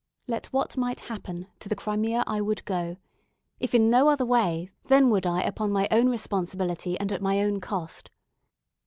Let what might happen, to the Crimea I would go. If in no other way, then would I upon my own responsibility and at my own cost.